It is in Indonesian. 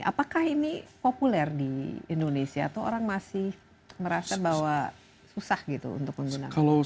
apakah ini populer di indonesia atau orang masih merasa bahwa susah gitu untuk menggunakan